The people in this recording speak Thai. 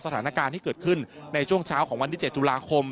สถานการณ์ที่เกิดขึ้นในช่วงเช้าของวันที่๗ตุลาคม